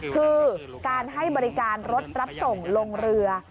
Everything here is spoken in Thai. คือการให้บริการรถรับส่งลงเรือ